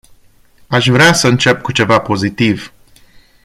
Aș vrea să încep cu ceva pozitiv.